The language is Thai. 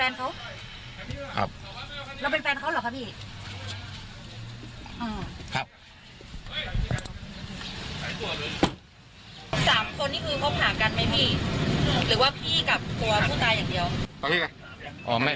๓คนนี้คือคบหากันไหมพี่หรือว่าพี่กับตัวผู้ตายอย่างเดียว